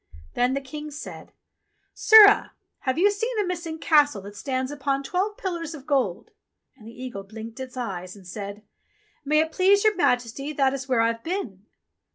Then the King said, "Sirrah! Have you seen a missing Castle that stands upon twelve pillars of gold ?" And the eagle blinked its eyes and said, "May it please your Majesty that is where I've been."